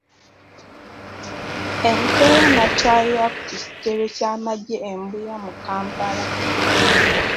Enkeera n'atwalibwa ku kitebe ky'amagye e Mbuya mu Kampala.